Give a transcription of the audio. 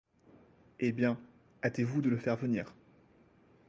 Eh bien, hâtez-vous de le faire venir.